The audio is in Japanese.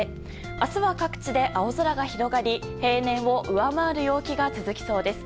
明日は各地で青空が広がり平年を上回る陽気が続きそうです。